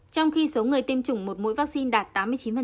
trong khi số người tiêm chủng một mũi vaccine đạt tám mươi chín